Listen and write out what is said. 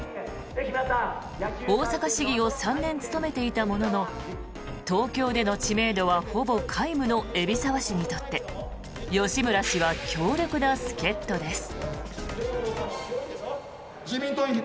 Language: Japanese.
大阪市議を３年務めていたものの東京での知名度はほぼ皆無の海老沢氏にとって吉村氏は強力な助っ人です。